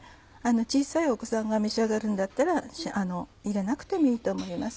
小さいお子さんが召し上がるんだったら入れなくてもいいと思います。